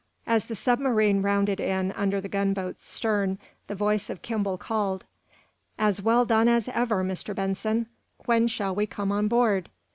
As the submarine rounded in under the gunboat's stern the voice of Kimball called: "As well done as ever, Mr. Benson! When shall we come on board?"